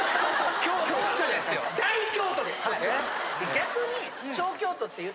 逆に。